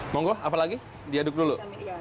monggo apalagi diaduk dulu